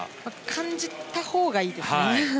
感じたほうがいいですね。